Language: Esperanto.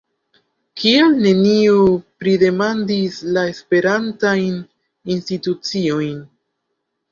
Kial neniu pridemandis la esperantajn instituciojn?